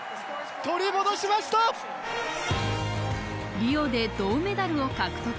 リオで銅メダルを獲得。